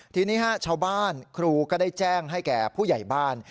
ทีนี้ชาวบ้านครูก็ได้แจ้งให้แก่ผู้ใหญ่บ้าน